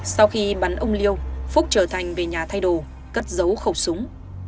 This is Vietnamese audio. sau khi bắn ông liêu phúc trở thành về nhà thay đồ cất giấu khẩu súng